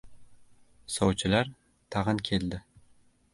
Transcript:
Sovchilar tag‘in keldi.